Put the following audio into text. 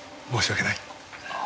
申し訳ない。